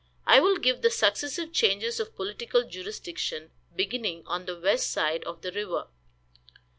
I will give the successive changes of political jurisdiction, beginning on the west side of the river.